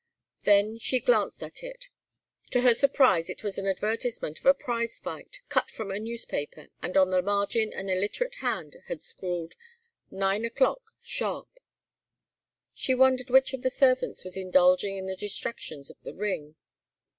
Then she glanced at it. To her surprise it was an advertisement of a prize fight, cut from a newspaper; and on the margin an illiterate hand had scrawled, "Nine o'clock sharp." She wondered which of the servants was indulging in the distractions of the ring.